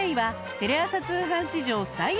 テレ朝通販史上最安値